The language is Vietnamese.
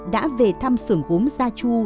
đã về thăm sưởng gốm gia tru